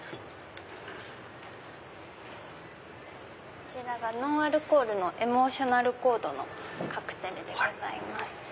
こちらがノンアルコールのエモーショナルコードのカクテルでございます。